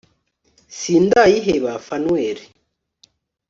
sindayiheba phanuel